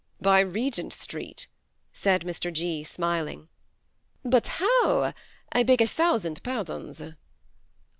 " By Regent Street," said Mr. G., smiling. '* But how ? I beg a thousand pardons."